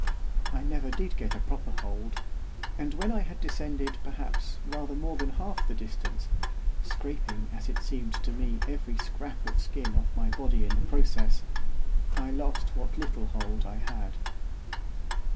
I never did get a proper hold, and when I had descended, perhaps, rather more than half the distance scraping, as it seemed to me, every scrap of skin off my body in the process I lost what little hold I had.